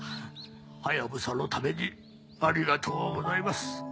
ハヤブサのためにありがとうございます。